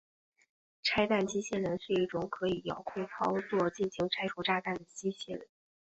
拆弹机械人是一种可以遥控操作进行拆除炸弹的机械人。